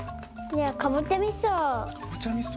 かぼちゃみそ？